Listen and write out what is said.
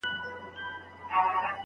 شاګرد د خپلي مقالې د هرې کلمې مسؤل دی.